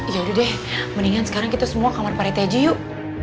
yaudah deh mendingan sekarang kita semua kamar paretaji yuk